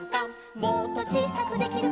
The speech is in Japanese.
「もっとちいさくできるかな」